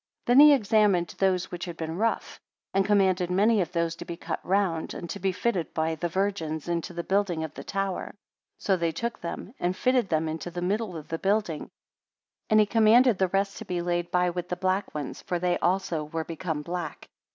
65 Then he examined those which had been rough; and commanded many of those to be cut round, and to be fitted by the virgins into the building of the tower; so they took them, and fitted them into the middle of the building and he commanded the rest to be laid by with the black ones, for they also were become black.